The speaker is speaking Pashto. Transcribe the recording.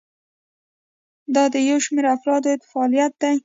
دا د یو شمیر افرادو فعالیت دی.